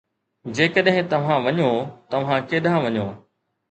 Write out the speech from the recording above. جيڪڏهن توهان وڃو، توهان ڪيڏانهن وڃو؟